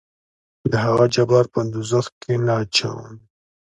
دهغه جبار په دوزخ کې نه اچوم.